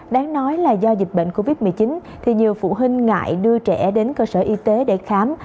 đáng nói là do dịch bệnh covid một mươi chín thì nhiều phụ huynh ngại đưa trẻ đến cơ sở y tế để khám